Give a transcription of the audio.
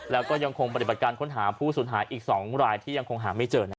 แล้วก็ยังคงปฏิบัติการค้นหาผู้สูญหายอีก๒รายที่ยังคงหาไม่เจอ